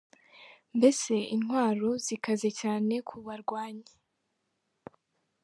Mbese intwaro zikaze cyane ku barwanyi.